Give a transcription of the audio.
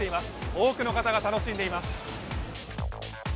多くの方が楽しんでいます。